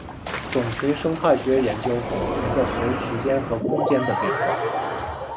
种群生态学研究种群的随时间和空间的变化。